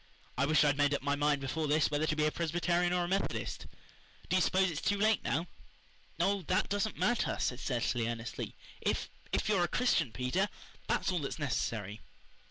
"I wish I'd made up my mind before this whether to be a Presbyterian or a Methodist. Do you s'pose it's too late now?" "Oh, that doesn't matter," said Cecily earnestly. "If if you're a Christian, Peter, that is all that's necessary."